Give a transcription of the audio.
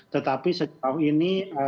tetapi setahun ini